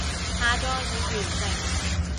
下載已完成